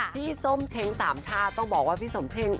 ส้มเช้งสามชาติต้องบอกว่าพี่สมเช่ง